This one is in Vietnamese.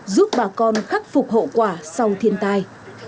giúp bà con khắc phục hậu quả sau thiên tai